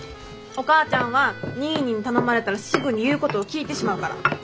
お母ちゃんはニーニーに頼まれたらすぐに言うことを聞いてしまうから。